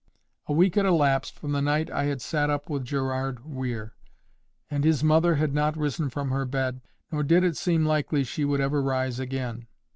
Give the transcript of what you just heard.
A week had elapsed from the night I had sat up with Gerard Weir, and his mother had not risen from her bed, nor did it seem likely she would ever rise again.